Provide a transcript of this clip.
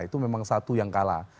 itu memang satu yang kalah